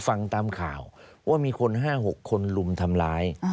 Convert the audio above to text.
ฟังตามข่าวว่ามีคน๕๖คนลุมทำร้าย